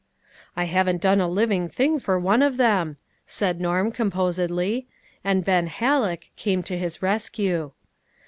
"I haven't done a living thing for one of them," said Norm composedly ; and Ben Halleck came to his rescue.